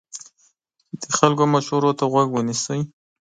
د خلکو مشورې ته غوږ ونیسئ.